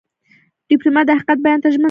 ډيپلومات د حقیقت بیان ته ژمن دی.